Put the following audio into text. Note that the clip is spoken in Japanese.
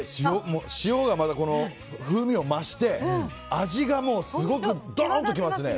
塩が、また風味を増して味がもうすごく、ドンときますね。